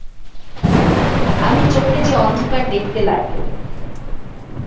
আমি চোখে যে অন্ধকার দেখতে লাগলুম।